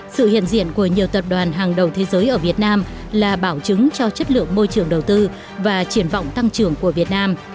sự hiện diện của nhiều tập đoàn hàng đầu thế giới ở việt nam là bảo chứng cho chất lượng môi trường đầu tư và triển vọng tăng trưởng của việt nam